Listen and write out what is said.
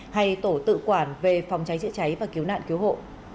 hay tổ tự quản về phòng cháy chữa cháy và cứu nạn cứu hộ